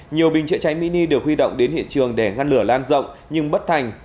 nhiều bình chữa cháy mini được huy động đến hiện trường để ngăn lửa lan rộng nhưng bất thành